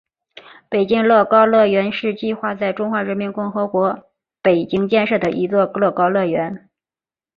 北京乐高乐园是计划在中华人民共和国北京建设的一座乐高乐园。